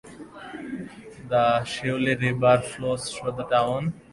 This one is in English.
The Shweli River flows through the town.